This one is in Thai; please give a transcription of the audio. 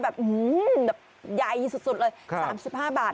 แบบอื้อแบบใหญ่สุดสุดเลยครับสามสิบห้าบาท